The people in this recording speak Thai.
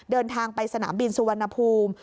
เดินทางไปสนามบินสุวรรณภูมิ